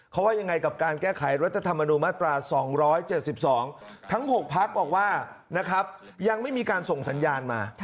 เขาว่ายังไงกับการแก้ไขรัฐธรรมนูญมาตรา๒๗๒ทั้ง๖พักบอกว่านะครับยังไม่มีการส่งสัญญาณมา